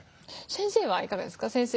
先生はいかがですか？